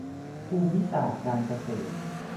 ภูมิศาสตร์การเกษตร